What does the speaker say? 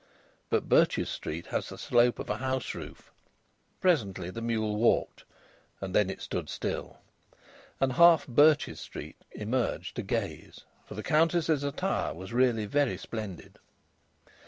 But Birches Street has the slope of a house roof. Presently the mule walked, and then it stood still. And half Birches Street emerged to gaze, for the Countess's attire was really very splendid.